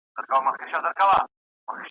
د دې قام د یو ځای کولو .